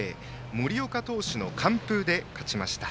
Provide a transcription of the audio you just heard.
森岡投手の完封で勝ちました。